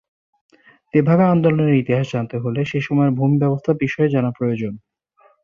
তেভাগা আন্দোলনের ইতিহাস জানতে হলে সে সময়ের ভূমি ব্যবস্থা বিষয়ে জানা প্রয়োজন।